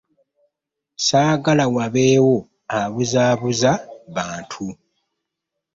Ssaagala wabeewo abuzaabuza bantu.